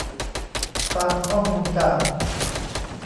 ตามข้อมูลจาก